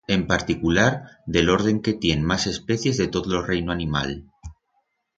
En particular, de l'orden que tien mas especies de tot lo reino animal.